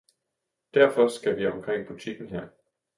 Derfor skal vi omkring butikken her.